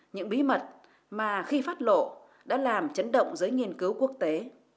những bí mật mà khi phát lộ đã làm chấn động giới nghiên cứu quốc tế